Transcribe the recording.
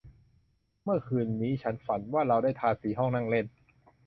เมื่อคืนนี้ฉันฝันว่าเราได้ทาสีห้องนั่งเล่น